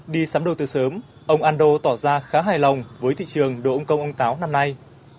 đi sắm đồ từ sớm ông andro tỏ ra khá hài lòng với thị trường đồ ông công ông táo năm nay